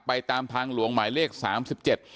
ตามทางหลวงหมายเลขสามสิบเจ็ด